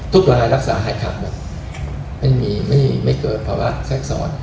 ทุกรายรักษาหายขาดหมดไม่มีไม่เกิดภาวะแทรกซ้อน